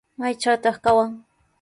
¿Maytrawtaq kawan?